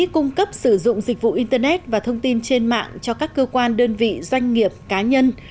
cung cấp sử dụng dịch vụ internet và thông tin trên mạng cho các cơ quan đơn vị doanh nghiệp cá nhân